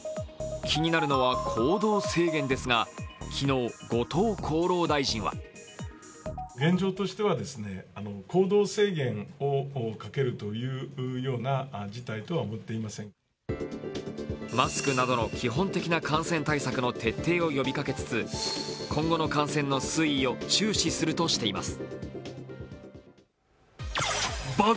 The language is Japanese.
気になるのは行動制限ですが、昨日、後藤厚労大臣はマスクなどの基本的な感染対策の徹底を呼びかけつつ、今後の感染の推移を注視するとしています。